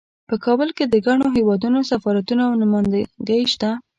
په کابل کې د ګڼو هیوادونو سفارتونه او نمایندګۍ شته